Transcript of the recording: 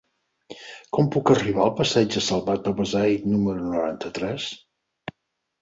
Com puc arribar al passeig de Salvat Papasseit número noranta-tres?